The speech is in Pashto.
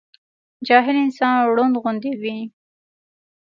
جاهل انسان رونډ غوندي وي